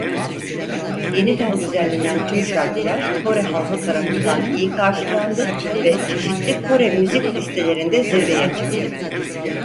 Yeniden düzenlenen tüm şarkılar Kore halkı tarafından iyi karşılandı ve çeşitli Kore müzik listelerinde zirveye çıktı.